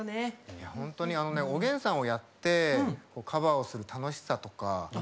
いや本当にあのね「おげんさん」をやってカバーをする楽しさとか。